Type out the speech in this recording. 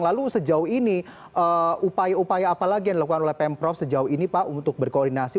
lalu sejauh ini upaya upaya apa lagi yang dilakukan oleh pemprov sejauh ini pak untuk berkoordinasi